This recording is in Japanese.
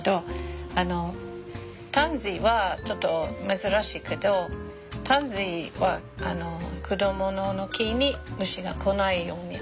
タンジーはちょっと珍しいけどタンジーは果物の木に虫が来ないようにの力あるんですよ。